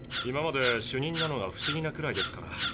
今まで主任なのが不思議なくらいですから。